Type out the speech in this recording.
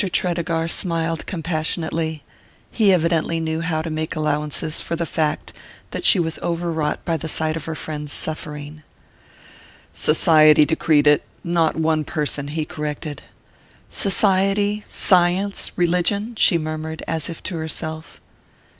Tredegar smiled compassionately: he evidently knew how to make allowances for the fact that she was overwrought by the sight of her friend's suffering: "Society decreed it not one person," he corrected. "Society science religion!" she murmured, as if to herself.